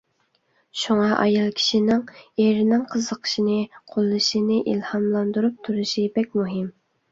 شۇڭا ئايال كىشىنىڭ ئېرىنىڭ قىزىقىشىنى قوللىشى، ئىلھاملاندۇرۇپ تۇرۇشى بەك مۇھىم.